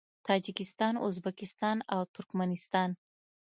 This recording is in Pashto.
تاجکستان، ازبکستان او ترکمنستان